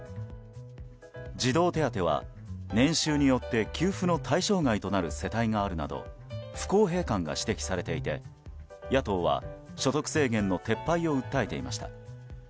児童手当は年収によって、給付の対象外となる世帯があるなど不公平感が指摘されていて野党は所得制限の撤廃を訴えていました。